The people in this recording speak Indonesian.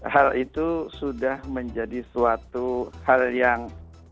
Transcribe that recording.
hal itu sudah menjadi suatu hal yang